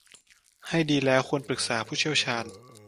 ให้ดีแล้วควรปรึกษาผู้เชี่ยวชาญ